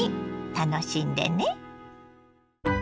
楽しんでね。